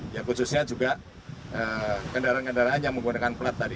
ya khususnya juga kendaraan kendaraan yang menggunakan plat tadi